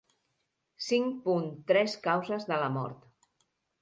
Cinc punt tres Causes de la mort.